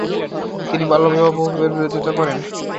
তিনি বাল্যবিবাহ এবং বহুবিবাহের বিরোধিতা করেন।